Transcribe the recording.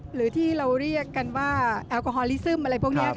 หรือที่เราเรียกกันว่าแอลกอฮอลลิซึมอะไรพวกนี้